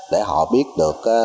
để họ biết là đơn vị xử lý